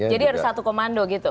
jadi harus satu komando gitu